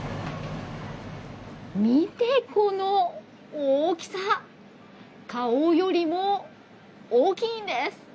見て、この大きさ！顔よりも大きいんです！